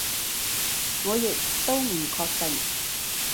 我亦都唔確定